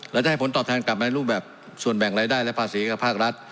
และจะให้ผลตอบแทนกลับมาในรูปแบบส่วนแบ่งรายได้และภาษีกับภาครัฐ